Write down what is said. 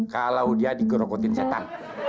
kalau dia digerokotin setan